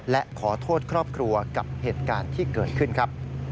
และขอโทษครอบครัวกับเหตุการณ์ที่เกิดขึ้นครับ